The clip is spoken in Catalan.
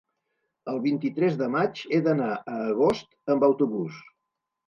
El vint-i-tres de maig he d'anar a Agost amb autobús.